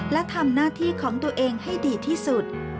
และทำหน้าที่ของตัวเองให้ดีที่สุด